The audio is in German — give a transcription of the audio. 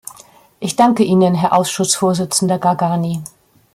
Ich danken Ihnen, Herr Ausschussvorsitzender Gargani.